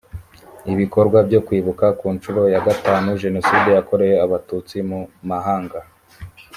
ibikorwa byo kwibuka ku nshuro ya gatanu jenoside yakorewe abatutsi mu mahanga